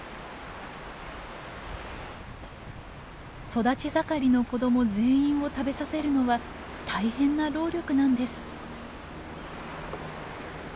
育ち盛りの子ども全員を食べさせるのは大変な労力なんです。